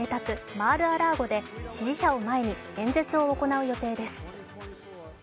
マール・ア・ラーゴで支持者を前に演説を行う予定です。